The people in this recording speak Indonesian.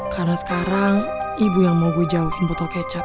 karena sekarang ibu yang mau gue jauhin botol kecap